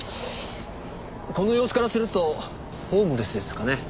この様子からするとホームレスですかね。